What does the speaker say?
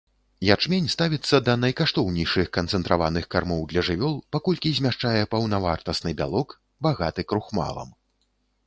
Ячмень ставіцца да найкаштоўнейшых канцэнтраваных кармоў для жывёл, паколькі змяшчае паўнавартасны бялок, багаты крухмалам.